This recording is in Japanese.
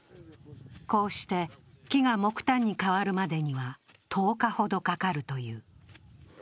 こうして木が木炭に変わるまでには１０日ほどかかるという。